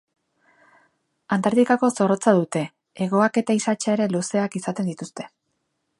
Antartikako zorrotza dute; hegoak eta isatsa ere luzeak izaten dituzte.